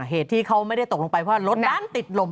เหตุที่เขามันไม่ได้ตกลงไปเพราะว่ารถด้านติดหลม